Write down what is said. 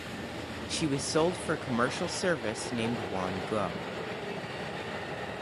She was sold for commercial service named Wan Guo.